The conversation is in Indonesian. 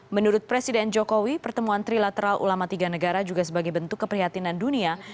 menurut presiden jokowi pertemuan trilateral ulama tiga negara juga sebagai bentuk keprihatinan dunia